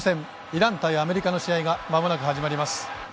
イラン対アメリカの試合がまもなく始まります。